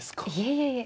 いえいえ。